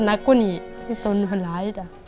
นักกุญิตรงร้ายจ้ะ